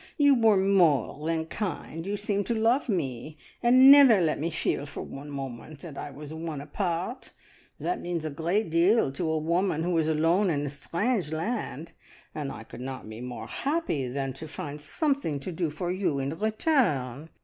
You were more than kind, you seemed to love me, and never let me feel for one moment that I was one apart. That means a great deal to a woman who is alone in a strange land, and I could not be more happy than to find something to do for you in return.